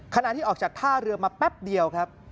ขณะที่ออกจากท่าเรือมาแป๊บเดียวครับ